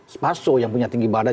sparso yang punya tinggi badan